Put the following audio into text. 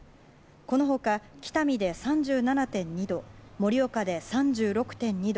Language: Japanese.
この他、北見で３７．２度盛岡で３６．２度